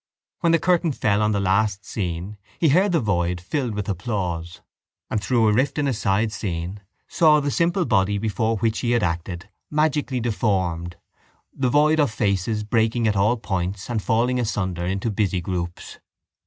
When the curtain fell on the last scene he heard the void filled with applause and, through a rift in a side scene, saw the simple body before which he had acted magically deformed, the void of faces breaking at all points and falling asunder into busy groups.